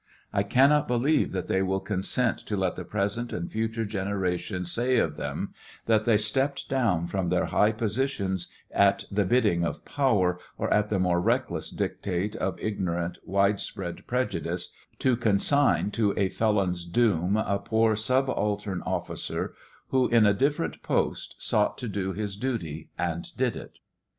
I cannot believe that they will consent to lee the present and future generations say of them that they stepped down from their high posi tions, at the bidding of power, or at the more reckless dictate of ignorant, wide spread prejudice, to consign to a felon's doom a poor subaltern officer, who, in a different post, sought to do his duty and did it.